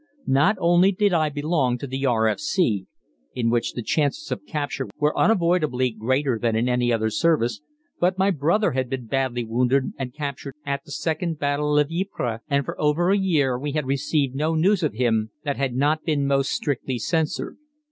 Not only did I belong to the R.F.C., in which the chances of capture were unavoidably greater than in any other service, but my brother had been badly wounded and captured at the second battle of Ypres, and for over a year we had received no news of him that had not been most strictly censored.